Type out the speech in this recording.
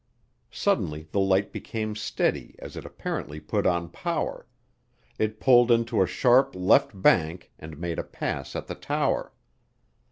Suddenly the light became steady as it apparently put on power; it pulled into a sharp left bank and made a pass at the tower.